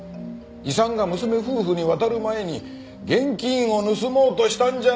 遺産が娘夫婦に渡る前に現金を盗もうとしたんじゃないのか？